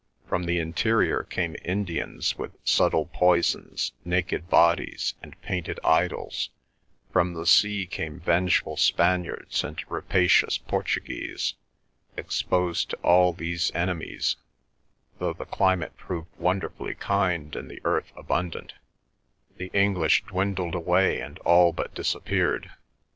From the interior came Indians with subtle poisons, naked bodies, and painted idols; from the sea came vengeful Spaniards and rapacious Portuguese; exposed to all these enemies (though the climate proved wonderfully kind and the earth abundant) the English dwindled away and all but disappeared.